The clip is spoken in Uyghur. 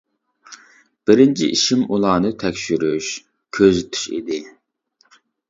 بىرىنچى ئىشىم ئۇلارنى تەكشۈرۈش، كۆزىتىش ئىدى.